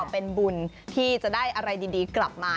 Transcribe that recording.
เป็นบุญที่จะได้อะไรดีกลับมา